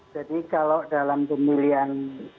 jadi kalau dalam pemilihan